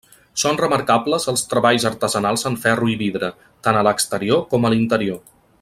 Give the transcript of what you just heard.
Són remarcables els treballs artesanals en ferro i vidre, tant a l'exterior com a l'interior.